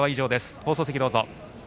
放送席どうぞ。